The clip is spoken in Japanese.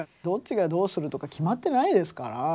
どっちがどうするとか決まってないですから。